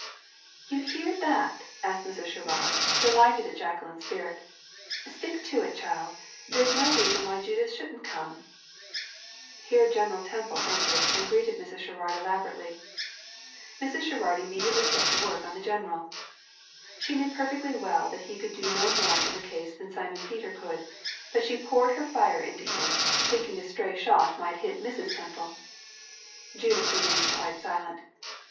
"You hear that?" asked Mrs. Sherrard, delighted at Jacqueline's spirit. "Stick to it, child; there is no reason why Judith shouldn't come." Here General Temple entered and greeted Mrs. Sherrard elaborately. Mrs. Sherrard immediately set to work on the general. She knew perfectly well that he could do no more in the case than Simon Peter could, but she poured her fire into him, thinking a stray shot might hit Mrs. Temple. Judith remained quite silent.